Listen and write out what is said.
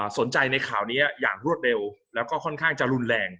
ในข่าวนี้อย่างรวดเร็วแล้วก็ค่อนข้างจะรุนแรง